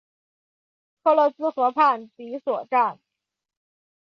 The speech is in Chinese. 克勒兹河畔比索站。